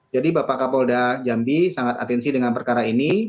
jadi bapak kapolda jambi sangat atensi dengan perkara ini